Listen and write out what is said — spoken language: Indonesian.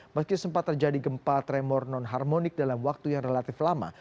meski sempat terjadi gempa tremor non harmonik dalam waktu yang relatif lama